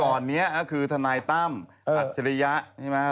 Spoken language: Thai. คือเมื่อก่อนนี้คือธนายตั้มอัตเจรยะใช่ไหม